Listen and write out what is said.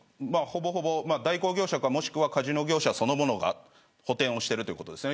ほぼほぼ代行業者かカジノ業者そのものが補てんをしているということです。